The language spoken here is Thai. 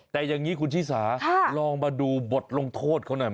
แต่อย่างนี้คุณชิสาลองมาดูบทลงโทษเขาหน่อยไหม